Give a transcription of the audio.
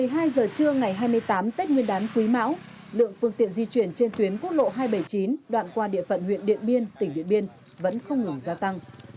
một mươi hai giờ trưa ngày hai mươi tám tết nguyên đán quý mão lượng phương tiện di chuyển trên tuyến quốc lộ hai trăm bảy mươi chín đoạn qua địa phận huyện điện biên tỉnh điện biên vẫn không ngừng gia tăng